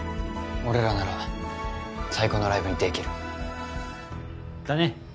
俺らなら最高のライブにできるだね